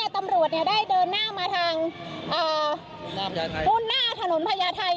ตอนนี้เนี่ยธรรม๘ฐได้เดินหน้ามาทางฝุ่นหน้าถนนพญาไทย